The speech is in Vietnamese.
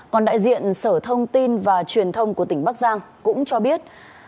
còn đại diện sở thông tin và truyền thông của tỉnh bắc giang cũng cho biết